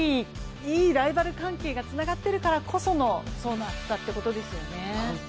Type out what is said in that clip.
いいライバル関係がつながってるからこその層の厚さっていうことですよね。